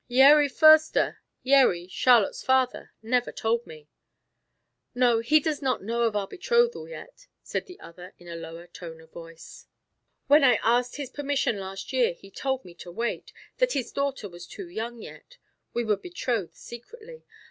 "Yeri Foerster Yeri, Charlotte's father, never told me." "No, he does not know of our betrothal yet," said the other, in a lower tone of voice; "when I asked his permission last year he told me to wait that his daughter was too young yet we were betrothed secretly.